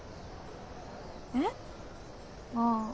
えっ？ああ